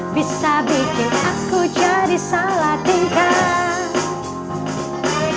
bisa bikin aku jadi salah tiga